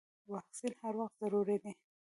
واکسین هر وخت ضروري دی.